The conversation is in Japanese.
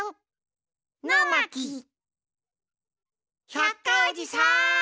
百科おじさん！